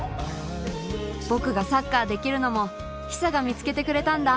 僕がサッカーできるのもひさが見つけてくれたんだ